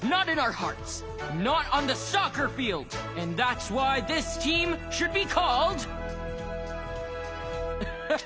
ハッハハ！